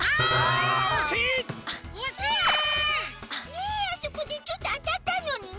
ねえあそこでちょっとあたったのにね。